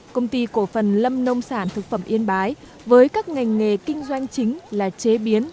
công ty cổ phần lâm nông sản thực phẩm yên bái với các ngành nghề kinh doanh chính là chế biến